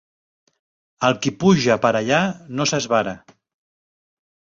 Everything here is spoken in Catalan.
El qui puja per allà no s'esvara.